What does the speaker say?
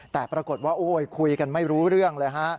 แต่ปรากฏว่าโอ้ยคุยกันไม่รู้เรื่องเลยฮะ